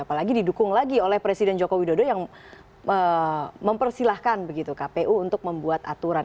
apalagi didukung lagi oleh presiden joko widodo yang mempersilahkan begitu kpu untuk membuat aturan